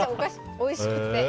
おいしくて。